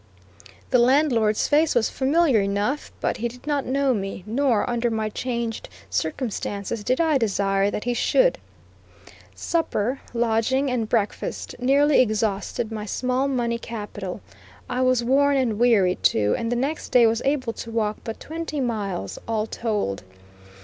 The landlord's face was familiar enough, but he did not know me, nor, under my changed circumstances, did I desire that he should. Supper, lodging, and breakfast nearly exhausted my small money capital; I was worn and weary, too, and the next day was able to walk but twenty miles, all told.